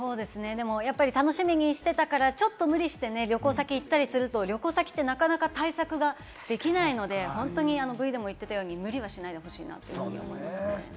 楽しみにしていたからちょっと無理して旅行先へ行ったりすると、旅行先ってなかなか対策ができないので、無理はしないでほしいなと思います。